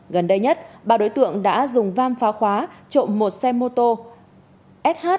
gần đây nhất ba đối tượng đã dùng vam phá khóa trộm một xe mô tô sh